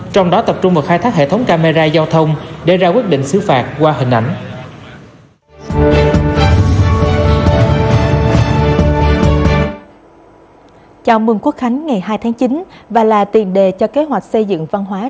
trong đó tập trung vào khai thác hệ thống camera giao thông để ra quyết định xứ phạt qua hình ảnh